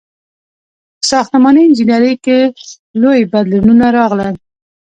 • په ساختماني انجینرۍ کې لوی بدلونونه راغلل.